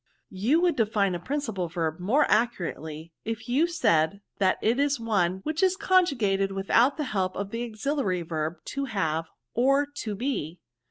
You would define a principal verb more accurately, if you said that it is one which is conjugated without the help of the auxiliary verbs to have, or to be."